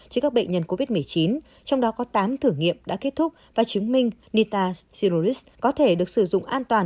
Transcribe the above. trên các bệnh nhân covid một mươi chín trong đó có tám thử nghiệm đã kết thúc và chứng minh nitazosanit có thể được sử dụng an toàn